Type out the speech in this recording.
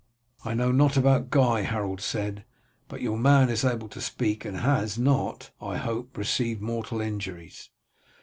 "I know not about Guy," Harold said, "but your man is able to speak, and has not, I hope, received mortal injuries."